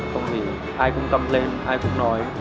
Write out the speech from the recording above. cũng vì ai cũng câm lên ai cũng nói